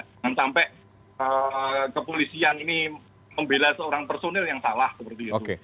jangan sampai kepolisian ini membela seorang personil yang salah seperti itu